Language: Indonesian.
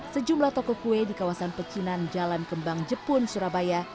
sejumlah toko kue di kawasan pecinan jalan kembang jepun surabaya